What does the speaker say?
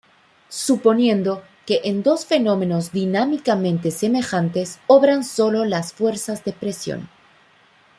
Suponiendo que en dos fenómenos dinámicamente semejantes obran solo las fuerzas de presión.